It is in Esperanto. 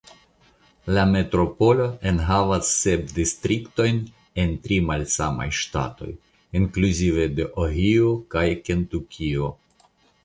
La metropolo enhavas sep distriktoj en tri malsamaj ŝtatoj (inkluzive de Ohio kaj Kentukio).